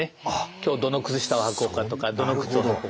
今日どの靴下をはこうかとかどの靴を履こうかとか。